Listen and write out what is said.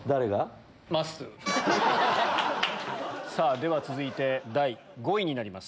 では続いて第５位になります。